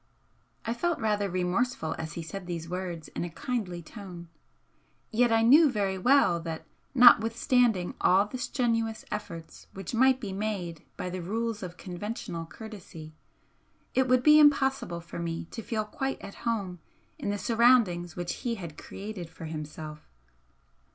I felt rather remorseful as he said these words in a kindly tone. Yet I knew very well that, notwithstanding all the strenuous efforts which might be made by the rules of conventional courtesy, it would be impossible for me to feel quite at home in the surroundings which he had created for himself.